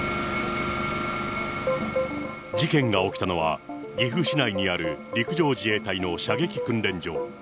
事件が起きたのは、岐阜市内にある陸上自衛隊の射撃訓練場。